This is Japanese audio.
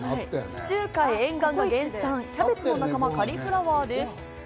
地中海沿岸の原産、キャベツの仲間、カリフラワーです。